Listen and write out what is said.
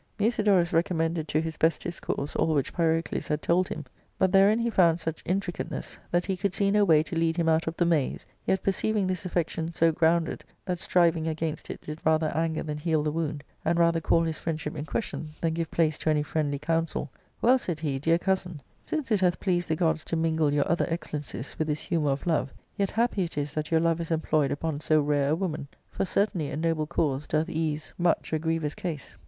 Musidorus recommended to his best discourse all which Pyrocles had told him. But therein he found such intricate ness, that he could see no way to lead him out of the maze ; yet perceiving this affection so grounded that striving against it did rather anger than heal the wound, and rather call his friendship in question than give place to any friendly counsel, "Well," said he, "dear cousin, since it hath pleased the gods to mingle your other excellencies with this humour of love, yet happy it is that your love is employed upon so rare a woman ; for certainly a noble cause doth case much a ARCADIA.— Book I. 77 grievous case.